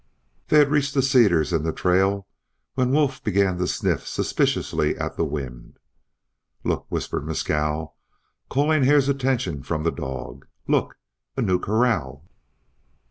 They had reached the cedars and the trail when Wolf began to sniff suspiciously at the wind. "Look!" whispered Mescal, calling Hare's attention from the dog. "Look! A new corral!"